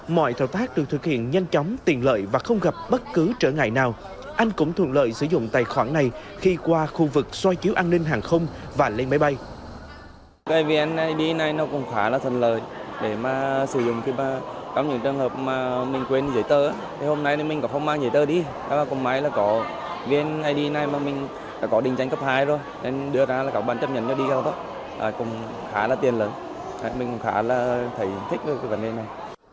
mọi thảo tác được thực hiện nhanh chóng tiện lợi và không gặp bất cứ trở ngại nào anh cũng thuận lợi sử dụng tài khoản này khi qua khu vực xoay chiếu an ninh hàng không và lên máy bay